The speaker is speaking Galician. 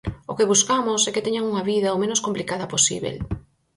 O que buscamos é que teñan unha vida o menos complicada posíbel.